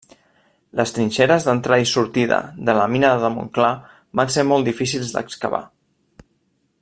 Les trinxeres d'entrada i sortida de la mina de Montclar van ser molt difícils d'excavar.